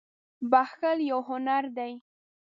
• بښل یو هنر دی.